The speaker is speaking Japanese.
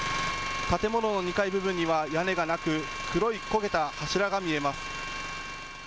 建物の２階部分には屋根がなく黒い焦げた柱が見えます。